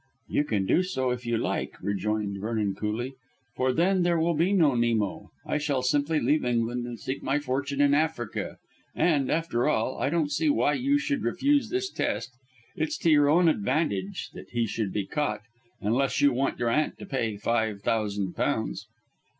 "You can do so if you like," rejoined Vernon coolly, "for then there will be no Nemo. I shall simply leave England and seek my fortune in Africa. And, after all, I don't see why you should refuse this test. It's to your own advantage that he should be caught, unless you want your aunt to pay five thousand pounds."